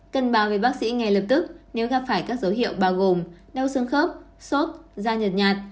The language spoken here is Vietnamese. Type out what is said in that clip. cần báo với bác sĩ ngay lập tức nếu gặp phải các dấu hiệu bao gồm đau xương khớp sốt da nhật nhạt